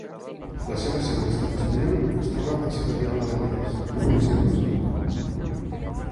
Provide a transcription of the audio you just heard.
La seva seu a l'Estat espanyol es troba a Cerdanyola del Vallès, província de Barcelona.